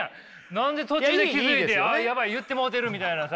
何で途中で気付いてあっやばい言ってもうてるみたいなさ。